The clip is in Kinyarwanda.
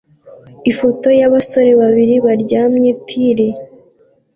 Ifoto yabasore babiri baryamye tile